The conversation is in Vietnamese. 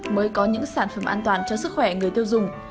mới có những sản phẩm an toàn cho sức khỏe người tiêu dùng